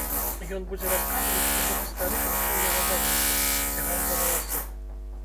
Ён будзе расказваць, што гэты стары круціў яго за вушы, цягаў за валасы.